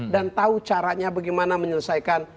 dan tahu caranya bagaimana menyelesaikan